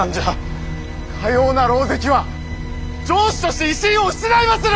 かような狼藉は城主として威信を失いまする！